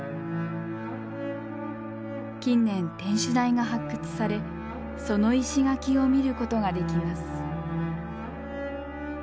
近年天守台が発掘されその石垣を見ることができます。